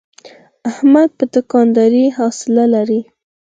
احمد په دوکاندارۍ حوصله لري.